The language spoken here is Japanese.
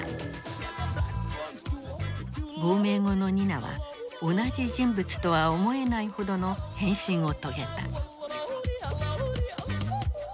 亡命後のニナは同じ人物とは思えないほどの変身を遂げた。